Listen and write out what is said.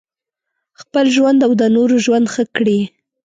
خپل ژوند او د نورو ژوند ښه کړي.